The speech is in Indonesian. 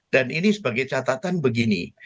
dan ini sebagai catatan begini